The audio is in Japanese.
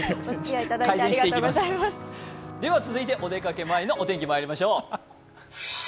では、お出かけ前のお天気、まいりましょう。